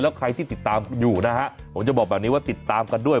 แล้วใครที่ติดตามคุณอยู่นะฮะผมจะบอกแบบนี้ว่าติดตามกันด้วย